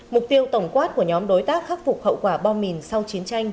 mục tiêu tổng quát của nhóm đối tác khắc phục hậu quả bom mìn sau chiến tranh